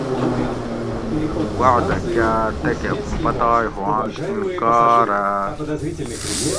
وعدہ کاۤ تکہ پتائے ہُواۤنت انکارہ